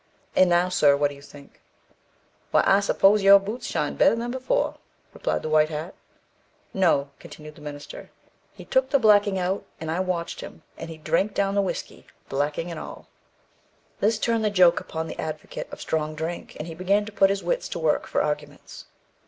And now, sir, what do you think?" "Why, I s'pose your boots shined better than before," replied the white hat. "No," continued the minister. "He took the blacking out, and I watched him, and he drank down the whiskey, blacking, and all." This turned the joke upon the advocate of strong drink, and he began to put his wits to work for arguments.